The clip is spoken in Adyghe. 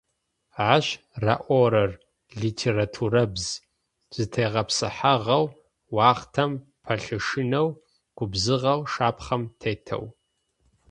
Ащ раӏорэр - литературабз: зэтегъэпсыхьагъэу, уахътэм пэлъэшынэу, губзыгъэу, шапхъэм тетэу.